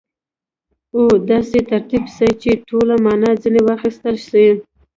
او داسي ترتیب سي، چي ټوله مانا ځني واخستل سي.